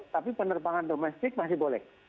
tapi penerbangan domestik masih boleh